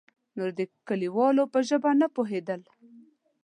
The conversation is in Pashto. نور د کليوالو په ژبه نه پوهېدل.